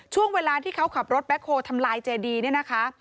ช่วงเวลาที่เขาขับรถแบ็คโฮลทำลายเจดีเนี่ยนะคะ